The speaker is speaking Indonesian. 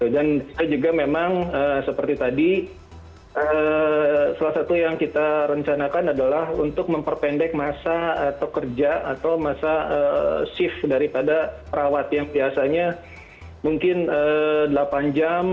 dan juga memang seperti tadi salah satu yang kita rencanakan adalah untuk memperpendek masa kerja atau masa shift daripada perawat yang biasanya mungkin delapan jam